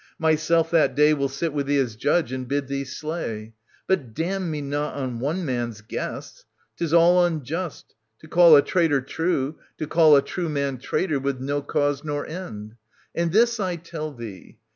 Myself that day Will sit with thee as judge and bid thee Slay ! But damn me not on one man's guess. — 'Tis all Unjust : to call a traitor true, to call A true man traitor with no cause nor end ! And this I tell thee.